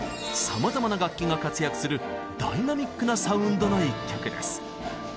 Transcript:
さまざまな楽器が活躍するダイナミックなサウンドの一曲です。